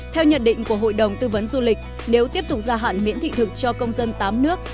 theo nhận định của hội đồng tư vấn du lịch nếu tiếp tục gia hạn miễn thị thực cho công dân tám nước